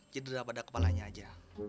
cedera pada kepalanya aja